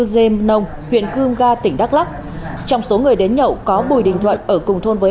dêm nông huyện cương ga tỉnh đắk lắk trong số người đến nhậu có bùi đình thuận ở cùng thôn với